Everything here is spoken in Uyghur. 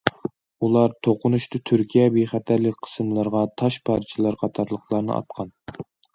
ئۇلار توقۇنۇشتا تۈركىيە بىخەتەرلىك قىسىملىرىغا تاش پارچىلىرى قاتارلىقلارنى ئاتقان.